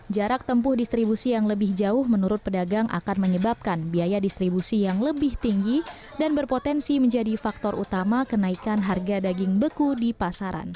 jarak tempuh distribusi yang lebih jauh menurut pedagang akan menyebabkan biaya distribusi yang lebih tinggi dan berpotensi menjadi faktor utama kenaikan harga daging beku di pasaran